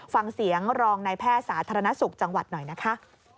ฟังเสียงรองนายแพทย์สาธารณสุขจังหวัดหน่อยนะคะ